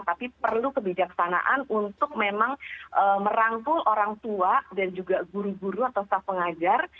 tapi perlu kebijaksanaan untuk memang merangkul orang tua dan juga guru guru atau staff pengajar